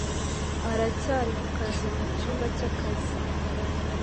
Aracyari ku kazi mu cyumba cy'akazi.